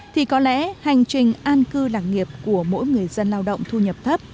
thì có lẽ hành trình an cư lạc nghiệp của mỗi người dân lao động thu nhập thấp